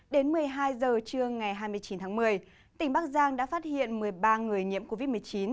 đến một mươi hai giờ trưa ngày hai mươi chín tháng một mươi tỉnh bắc giang đã phát hiện một mươi ba người nhiễm covid một mươi chín